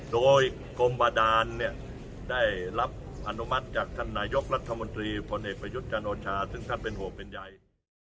โดยกรมบาดานเนี่ยได้รับอนุมัติจากท่านนายกรัฐมนตรีพลเอกประยุทธ์จันโอชาซึ่งท่านเป็นห่วงเป็นใย